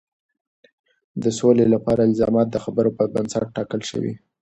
د سولې لپاره الزامات د خبرو پر بنسټ ټاکل شوي.